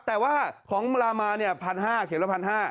แต่ว่าของรามาเนี่ย๑๕๐๐เข็มละ๑๕๐๐